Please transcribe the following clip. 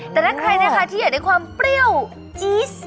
แต่ถ้าใครนะคะที่อยากได้ความเปรี้ยวจี๊ส